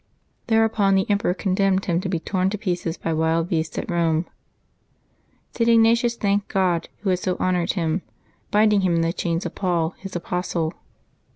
Thereupon the emperor condemned him to be torn to pieces by wild beasts at Eome. St. Ignatius thanked God, Who had so honored him, " binding him in the chains of Paul, His apostle.''